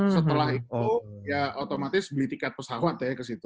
setelah itu ya otomatis beli tiket pesawat ya kesitu